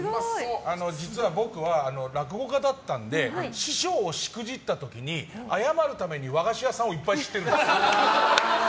実は、僕は落語家だったんで師匠をしくじった時に謝るために和菓子屋さんをいっぱい知っているんです。